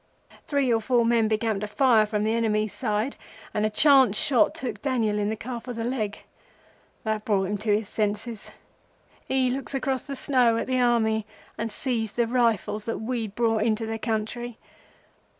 "Three or four men began to fire from the enemy's side, and a chance shot took Daniel in the calf of the leg. That brought him to his senses. He looks across the snow at the Army, and sees the rifles that we had brought into the country.